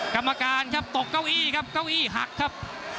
กรรมการครับตกเก้าอี้ครับเก้าอี้หักครับ